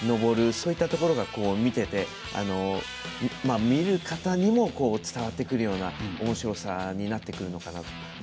そういったところが見ていて見る方にも伝わってくるようなおもしろさになってくるのかなと。